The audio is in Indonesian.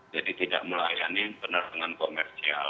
jadi tidak melayani penerbangan komersial